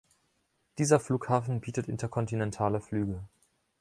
Dieser Flughafen bietet interkontinentale Flüge.